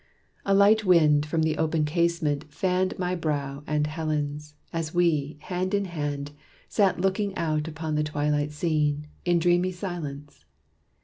A light wind, from the open casement, fanned My brow and Helen's, as we, hand in hand, Sat looking out upon the twilight scene, In dreamy silence.